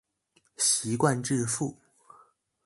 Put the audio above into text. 習慣致富